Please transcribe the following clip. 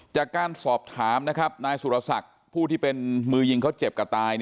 จากการสอบถามนะครับนายสุรศักดิ์ผู้ที่เป็นมือยิงเขาเจ็บกับตาย